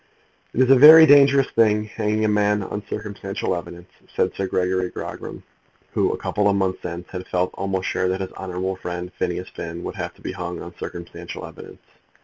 "It is a very dangerous thing hanging a man on circumstantial evidence," said Sir Gregory Grogram, who, a couple of months since, had felt almost sure that his honourable friend Phineas Finn would have to be hung on circumstantial evidence.